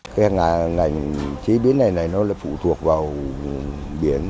cái ngành chế biến này nó phụ thuộc vào biển